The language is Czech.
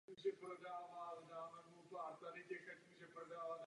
Do soutěže nastoupilo šedesát čtyři hráček.